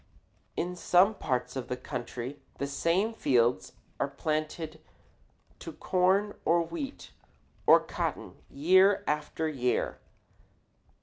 In some parts of the country the same fields are planted to corn or wheat or cotton year after year.